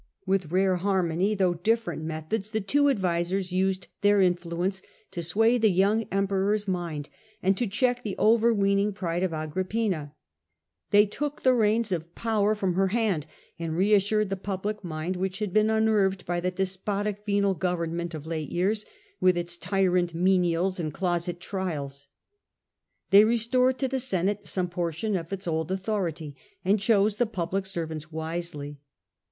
With rare harmony, though different methods, the two advisers used their influence to sway the young Emperor's mind and to check the reins out of overweening pride of Agrippina. They took iiantis. the reins of power from her hand and reassured the public mind, which had been unnerved by the despotic venal government of late years, with its tyrant menials and closet trials. They restored to the Senate 1^ some portion of its old authority and chose the public servants wisely.